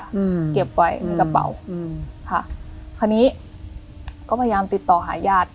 อืมเก็บไว้ในกระเป๋าอืมค่ะคราวนี้ก็พยายามติดต่อหาญาติ